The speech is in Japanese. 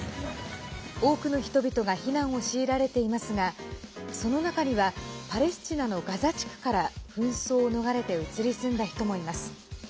多くの人々が避難を強いられていますがその中には、パレスチナのガザ地区から紛争を逃れて移り住んだ人もいます。